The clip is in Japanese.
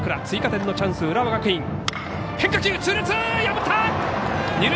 追加点のチャンス、浦和学院。